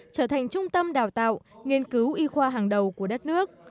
trở thành trung tâm đào tạo nghiên cứu y khoa hàng đầu của đất nước